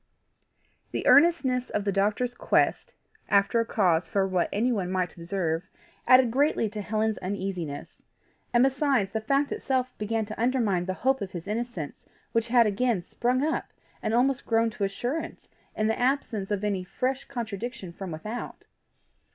The earnestness of the doctor's quest after a cause for what anyone might observe, added greatly to Helen's uneasiness; and besides, the fact itself began to undermine the hope of his innocence which had again sprung up and almost grown to assurance in the absence of any fresh contradiction from without.